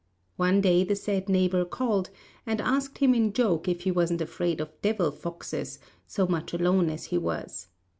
One day the said neighbour called, and asked him in joke if he wasn't afraid of devil foxes, so much alone as he was.